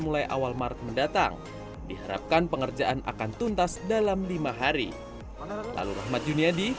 mulai awal maret mendatang diharapkan pengerjaan akan tuntas dalam lima hari lalu rahmat juniadi